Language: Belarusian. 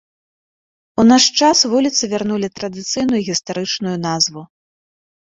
У наш час вуліцы вярнулі традыцыйную гістарычную назву.